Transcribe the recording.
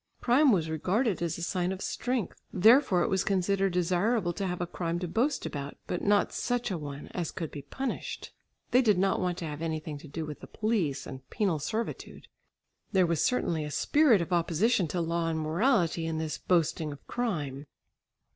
Crime was regarded as a sign of strength, therefore it was considered desirable to have a crime to boast about, but not such a one as could be punished. They did not want to have anything to do with the police and penal servitude. There was certainly a spirit of opposition to law and morality in this boasting of crime.